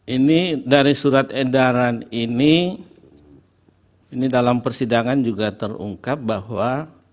ini dari surat edaran ini ini dalam persidangan juga terungkap bahwa